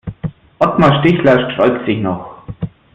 Otmar Stichler sträubt sich noch.